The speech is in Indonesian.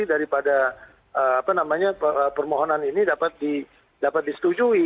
jadi daripada permohonan ini dapat disetujui